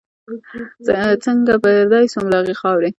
څنګه پردی سوم له هغي خاوري